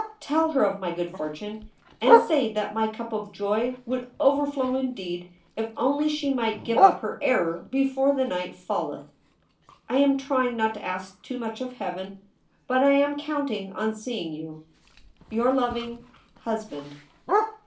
Tell her of my good fortune and say that my cup of joy would overflow indeed if only she might give up her error before the night falleth. I am trying not to ask too much of Heaven, but I am counting on seeing you. Your loving HUSBAND.